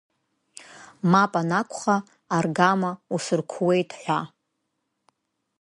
Мап анакәха аргама усырқәуеит ҳәа.